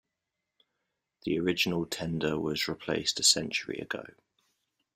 The original tender was replaced a century ago.